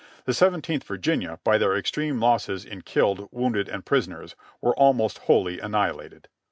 The Seventeenth Virginia, by their extreme losses in killed, wounded and prisoners, were almost wholly annihilated.''